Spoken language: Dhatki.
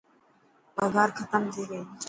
پگهار ختم ٿي گئي.